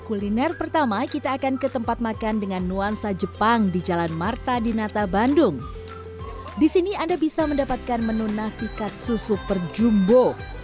ketika datang ke tempat makan ini pun mengaku kaget ketika disubuhi hidangan yang super jumbo